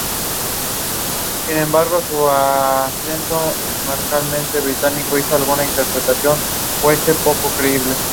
Trabajó como aprendiz antes de recorrer Francia, Italia y Alemania absorbiendo influencias barrocas.